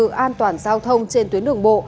tự an toàn giao thông trên tuyến đường bộ